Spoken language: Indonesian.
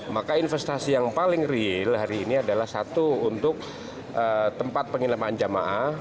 maka investasi yang paling real hari ini adalah satu untuk tempat pengilamaan jamaah